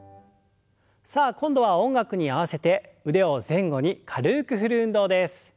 さあ今度は音楽に合わせて腕を前後に軽く振る運動です。